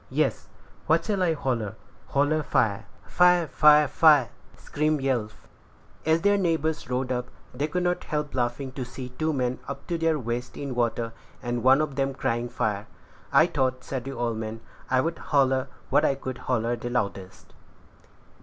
"Yes." "What shall I holler?" "Holler fire." "Fire! fire! fire!" screamed Yelf. As their neighbors rowed up, they could not help laughing to see two men up to their waists in water, and one of them crying fire. "I thought," said the old man, "I'd holler what I could holler the loudest."